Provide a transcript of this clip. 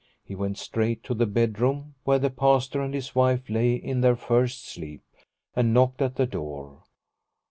He went straight to the bedroom where the Pastor and his wife lay in their first sleep, and knocked at the door.